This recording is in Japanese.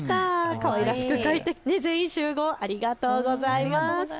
かわいらしく描いて全員集合、ありがとうございます。